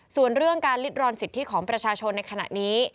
ส่วนเรื่องการลิดรอนสิทธิของประชาชนในขณะนี้